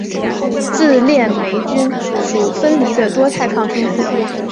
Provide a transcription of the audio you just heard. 自链霉菌属分离的多肽抗生素。